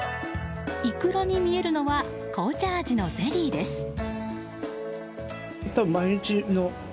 イクラに見えるのは紅茶味のゼリーです。